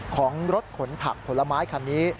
ของรถขนผักผลไม้คันนี้